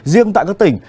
riêng tại các tỉnh